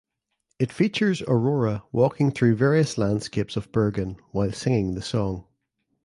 It features Aurora walking through various landscapes of Bergen while singing the song.